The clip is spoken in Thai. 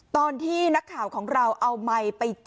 ตอนที่นักข่าวของเราเอาไมค์ไป